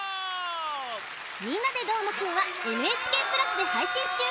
「みんなＤＥどーもくん！」はＮＨＫプラスではいしんちゅう！